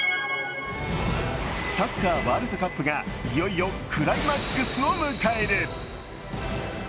サッカーワールドカップがいよいよクライマックスを迎える。